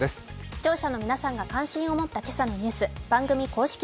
視聴者の皆さんが関心を持ったニュース番組公式